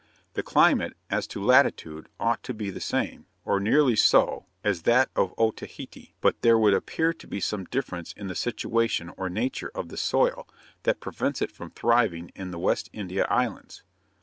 The climate, as to latitude, ought to be the same, or nearly so, as that of Otaheite, but there would appear to be some difference in the situation or nature of the soil, that prevents it from thriving in the West India Islands.